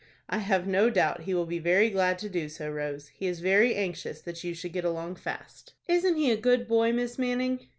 "I have no doubt he will be very glad to do so, Rose. He is very anxious that you should get along fast." "Isn't he a good boy, Miss Manning?"